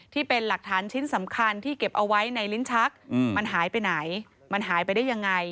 ที่เป็นหลักฐานชิ้นสำคัญที่เก็บเอาไว้ในลิ้นชักมันหายไปไหนมันหายไปได้ยังไง